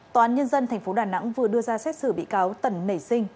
tòa án nhân dân tp đà nẵng vừa đưa ra xét xử bị cáo tần nảy sinh